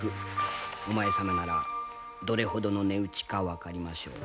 お前様ならどれほどの値打ちか分かりましょう。